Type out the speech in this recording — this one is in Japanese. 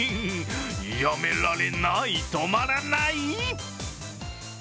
やめられない、止まらない。